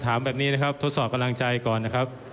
ถามแบบนี้นะครับทดสอบกำลังใจก่อนนะครับ